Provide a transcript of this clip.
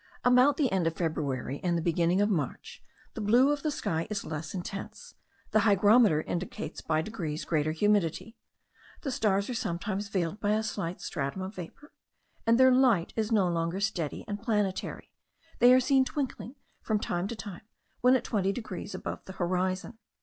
About the end of February and the beginning of March, the blue of the sky is less intense, the hygrometer indicates by degrees greater humidity, the stars are sometimes veiled by a slight stratum of vapour, and their light is no longer steady and planetary; they are seen twinkling from time to time when at 20 degrees above the horizon.